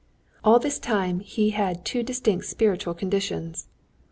All this time he had two distinct spiritual conditions.